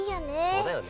そうだよね。